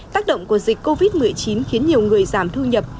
tác động của dịch covid một mươi chín khiến nhiều người giảm thu nhập